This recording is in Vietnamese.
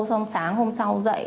xong sáng hôm sau dậy